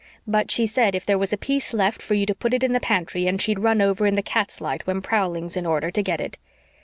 But she said, if there was a piece left, for you to put it in the pantry and she'd run over in the cat's light, when prowling's in order, to get it.